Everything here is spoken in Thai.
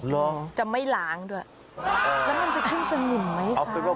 หรอจะไม่ล้างด้วยแล้วมันจะขึ้นสนิมไหมคะ